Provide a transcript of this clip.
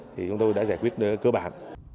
thì chúng tôi đã giải quyết cơ bản